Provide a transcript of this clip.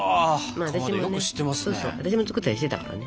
まあ私もね私も作ったりしてたからね。